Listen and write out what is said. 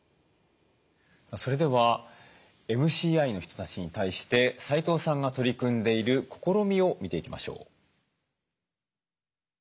それではＭＣＩの人たちに対して齋藤さんが取り組んでいる試みを見ていきましょう。